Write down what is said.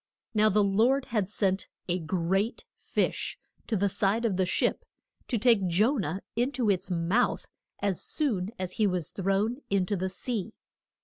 Now the Lord had sent a great fish to the side of the ship to take Jo nah in to its mouth as soon as he was thrown in to the sea.